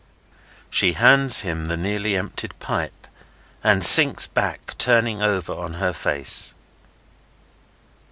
She hands him the nearly emptied pipe, and sinks back, turning over on her face.